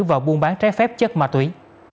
và buôn bán trái phép chất ma túy